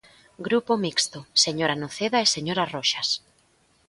Grupo Mixto, señora Noceda e señora Roxas.